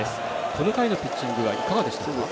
この回のピッチングはいかがでしたか？